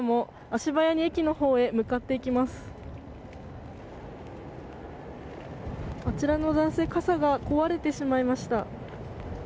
あちらの男性傘が壊れてしまいました。